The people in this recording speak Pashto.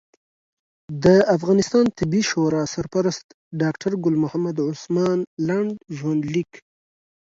د افغانستان طبي شورا سرپرست ډاکټر ګل محمد عثمان لنډ ژوند لیک